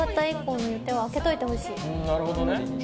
なるほどね。